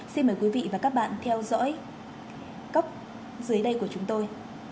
xin mời quý vị và các bạn theo dõi cấp dưới đây của chúng tôi